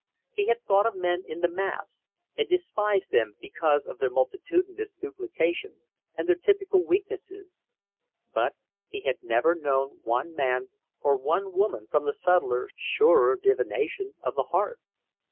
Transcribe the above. He had thought of men in the mass, and despised them because of their multitudinous duplication, and their typical weaknesses; but he had never known one man or one woman from the subtler, surer divination of the heart.